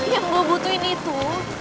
yang gue butuhin itu